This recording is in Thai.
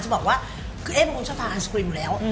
จะบอกว่าคือเอ๊ะผมคงชอบทานไอศกรีมแล้ว